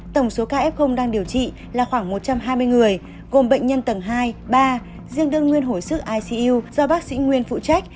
tổng số ca f đang điều trị là khoảng một trăm hai mươi người gồm bệnh nhân tầng hai ba riêng đương nguyên hồi sức icu do bác sĩ nguyên phụ trách